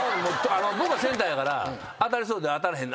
僕はセンターやから当たりそうで当たらへん。